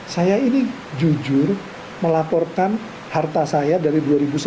saya ini jujur melaporkan harta saya dari dua ribu sembilan belas